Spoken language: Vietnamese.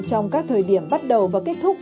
trong các thời điểm bắt đầu và kết thúc